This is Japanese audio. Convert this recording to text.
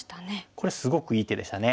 これすごくいい手でしたね。